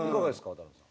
渡辺くん。